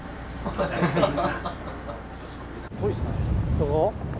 どこ？